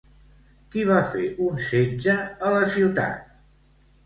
Qui va fer un setge a la ciutat?